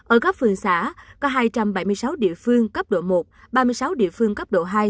ở các phường xã có hai trăm bảy mươi sáu địa phương cấp độ một ba mươi sáu địa phương cấp độ hai